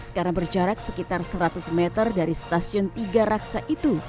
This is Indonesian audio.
sekarang berjarak sekitar seratus meter dari stasiun tiga raksa itu